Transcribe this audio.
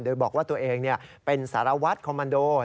โดยบอกว่าตัวเองเป็นสารวัตรคอมมันโด